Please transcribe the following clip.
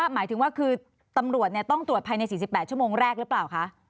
หมายถึงว่าคือตำรวจต้องตรวจภายใน๔๘ชั่วโมงแรกหรือเปล่าคะ